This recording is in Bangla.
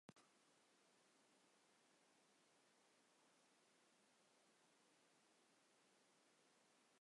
কেইন ক্রনিকলস সিরিজের প্রথম বই এটি।